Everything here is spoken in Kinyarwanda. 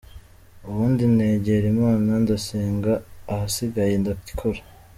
Ubundi negera Imana ndasenga ahasigaye ndakora.